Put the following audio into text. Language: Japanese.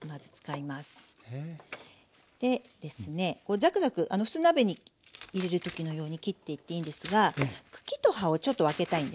ザクザク普通に鍋に入れる時のように切っていっていいんですが茎と葉をちょっと分けたいんですね。